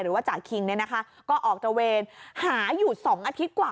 หรือว่าจ่าคิงเนี่ยนะคะก็ออกตระเวนหาอยู่๒อาทิตย์กว่า